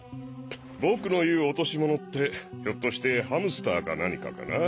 ボクのいう落とし物ってひょっとしてハムスターか何かかな？